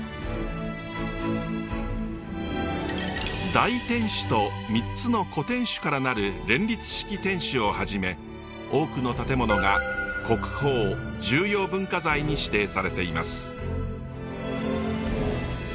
大天守と３つの小天守から成る連立式天守をはじめ多くの建物が国宝重要文化財に指定されています。